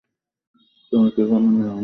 তুমি কোন নিয়মেই কখনও বদ্ধ ছিলে না।